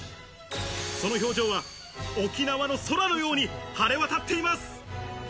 その表情は沖縄の空のように晴れ渡っています。